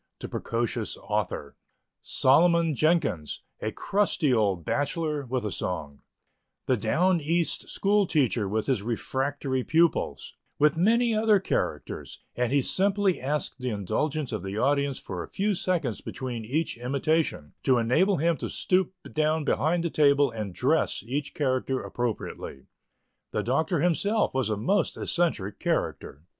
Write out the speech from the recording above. the precocious author; "Solomon Jenkins," a crusty old bachelor, with a song; the down east school teacher with his refractory pupils, with many other characters; and he simply asked the indulgence of the audience for a few seconds between each imitation, to enable him to stoop down behind the table and "dress" each character appropriately. The Doctor himself was a most eccentric character.